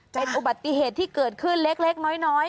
เป็นอุบัติเหตุที่เกิดขึ้นเล็กน้อย